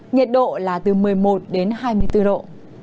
nhiệt độ là từ một mươi một đến hai mươi bốn độ